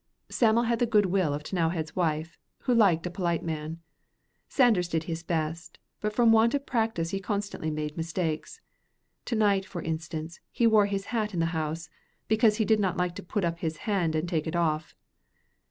Sam'l had the good will of T'nowhead's wife, who liked a polite man. Sanders did his best, but from want of practice he constantly made mistakes. To night, for instance, he wore his hat in the house, because he did not like to put up his hand and take it off.